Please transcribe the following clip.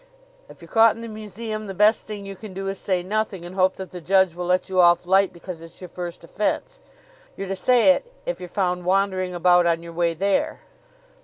If you're caught in the museum the best thing you can do is to say nothing, and hope that the judge will let you off light because it's your first offense. You're to say it if you're found wandering about on your way there."